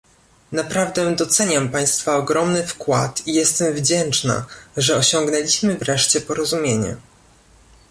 Naprawdę doceniam państwa ogromny wkład i jestem wdzięczna, że osiągnęliśmy wreszcie porozumienie